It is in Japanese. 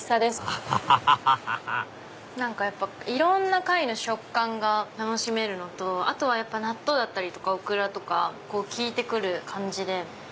アハハハハいろんな貝の食感が楽しめるのとあとは納豆だったりオクラとか利いてくる感じで。